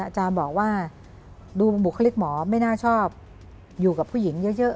อาจารย์บอกว่าดูบุคลิกหมอไม่น่าชอบอยู่กับผู้หญิงเยอะ